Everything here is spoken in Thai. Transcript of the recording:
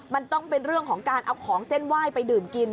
มันต้องเป็นเรื่องของการเอาของเส้นไหว้ไปดื่มกิน